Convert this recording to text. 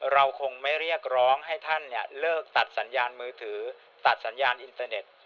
เราคงไม่เรียกร้องให้ท่านเนี่ยเลิกตัดสัญญาณมือถือตัดสัญญาณอินเตอร์เน็ต